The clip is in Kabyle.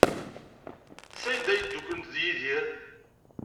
Sanda ay ddukklent ed Yidir?